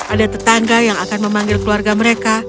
ada tetangga yang akan memanggil keluarga mereka